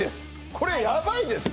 これヤバいです！